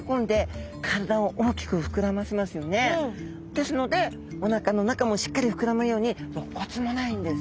ですのでおなかの中もしっかり膨らむようにろっ骨もないんです。